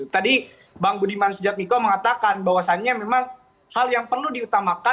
tadi bang budi mas daniko mengatakan bahwasannya memang hal yang perlu diutamakan